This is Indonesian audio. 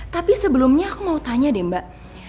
tapi sebelumnya aku mau tanya deh mbak